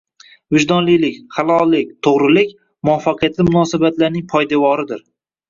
Vijdonlilik, halollik, to‘g‘rilik – muvaffaqiyatli munosabatlarning poydevoridir.